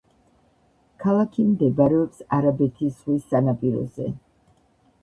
ქალაქი მდებარეობს არაბეთის ზღვის სანაპიროზე.